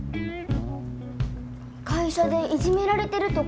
会社でいじめられてるとか。